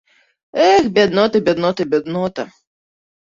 Эх, бяднота, бяднота, бяднота!